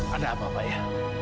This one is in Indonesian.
ada apa pak ya